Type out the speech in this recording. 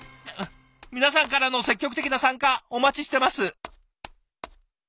皆さんからの積極的な参加お待ちしてます。